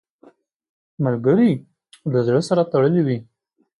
ملګری له زړه سره تړلی وي